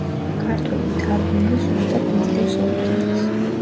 ქართველი მთარგმნელი ზუსტად მისდევს ორიგინალს.